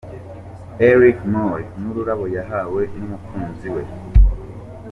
Eric Mpore n'ururabo yahawe n'umukunzi we.